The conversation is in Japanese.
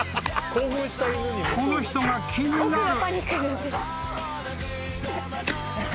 ［この人が気になる］